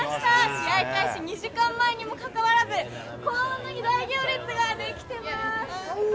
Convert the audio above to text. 試合開始２時間前にもかかわらず、こんなに大行列が出来てます。